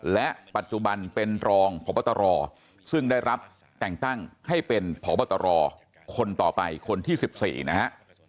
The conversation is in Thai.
และปัจจุบันเป็นรองพบตรซึ่งได้รับแต่งตั้งให้เป็นพบตรคนต่อไปคนที่๑๔นะฮะ